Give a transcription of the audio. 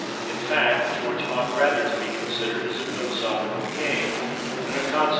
In fact, George ought rather to be considered as a philosophical king, than io8 INDEX.